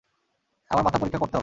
আমার মাথা পরীক্ষা করতে হবে!